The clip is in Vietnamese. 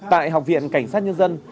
tại học viện cảnh sát nhân dân